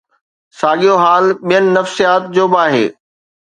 ساڳيو حال ٻين نفيسات جو به آهي.